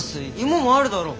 芋もあるだろ。